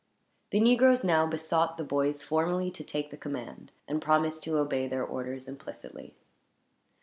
The negroes now besought the boys formally to take the command, and promised to obey their orders, implicitly.